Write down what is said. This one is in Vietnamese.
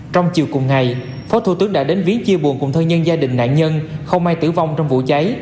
trong chiều cùng ngày phó thủ tướng đã đến viến chia buồn cùng thơ nhân gia đình nạn nhân không ai tử vong trong vụ cháy